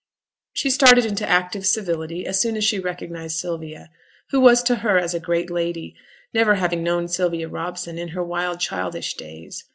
She started into active civility as soon as she recognized Sylvia, who was to her as a great lady, never having known Sylvia Robson in her wild childish days.